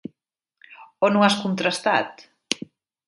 On ho has contrastat?